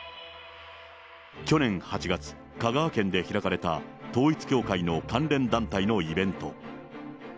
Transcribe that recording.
去年８月、香川県で開かれた統一教会の関連団体のイベント。